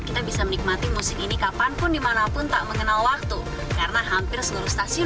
kita bisa menikmati musik ini kapanpun dimanapun tak mengenal waktu karena hampir seluruh stasiun